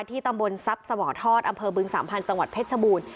ตำบลทรัพย์สวทอดอำเภอบึงสามพันธ์จังหวัดเพชรชบูรณ์